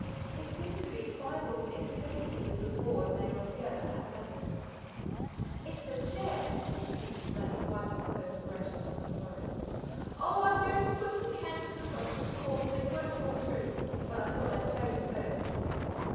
It seemed to be five or six heavy pieces of board nailed together haphazard. "It's a chair," he explained, wiping the perspiration from his forehead. "Oh! I'm going to put some canvas across it, of course, so you won't fall through; but I thought I'd show it you first."